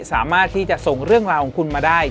สามารถที่จะส่งเรื่องราวของคุณมาได้